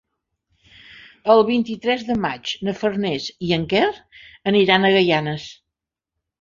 El vint-i-tres de maig na Farners i en Quer aniran a Gaianes.